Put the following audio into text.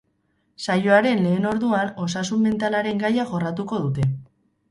Saioaren lehen orduan osasun mentalaren gaia jorratuko dute.